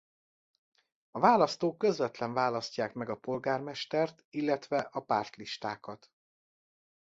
A választók közvetlenül választják meg a polgármestert illetve a pártlistákat.